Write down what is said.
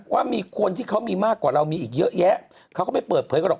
ว่ามีคนที่เขามีมากกว่าเรามีอีกเยอะแยะเขาก็ไม่เปิดเผยกันหรอก